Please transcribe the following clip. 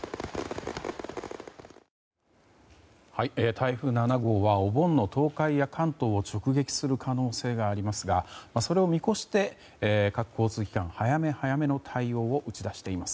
台風７号はお盆の東海や関東を直撃する可能性がありますがそれを見越して、各交通機関は早め早めの対応を打ち出しています。